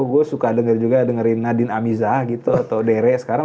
gue suka dengar juga dengerin nadine amizah gitu atau dere sekarang